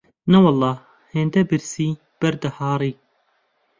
نەوەڵڵا هێندە برسی بەرد دەهاڕی